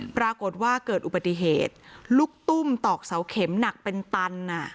ปรากฏว่าเกิดอุบัติเหตุลูกตุ้มตอกเสาเข็มหนักเป็นตัน